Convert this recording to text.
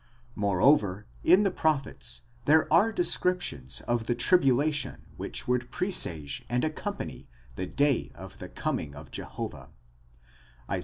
Moreover, in the prophets there are descriptions of the tribulation which would presage and accompany the day of the coming of Jehovah (Isa.